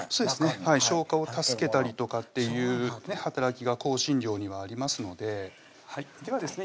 消化を助けたりとかっていう働きが香辛料にはありますのでではですね